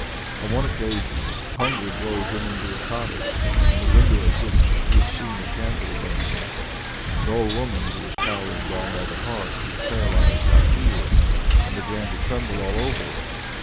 On one occasion hunger drove him into a cottage in the window of which he had seen a candle burning. An old woman who was cowering down by the hearth was paralysed by fear and began to tremble all over.